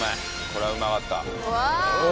これはうまかったわあ！